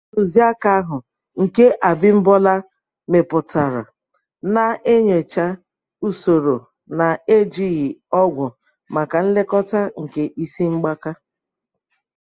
Ntuziaka ahụ, nke Abimbola mepụtara, na-enyocha usoro na-ejighị ọgwụ maka nlekọta nke isi mgbaka.